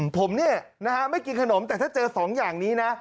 ผมไม่กินขนมแต่ถ้าเจอสองอย่างนี้นะ